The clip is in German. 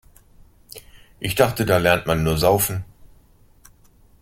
Ich dachte, da lernt man nur Saufen.